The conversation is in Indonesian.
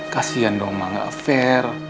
kasian dong ma nggak fair